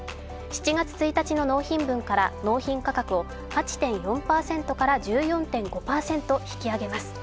７月１日の納品分から納品価格を８．４％から１４．５％引き上げます。